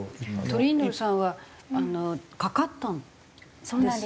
トリンドルさんはかかったんです？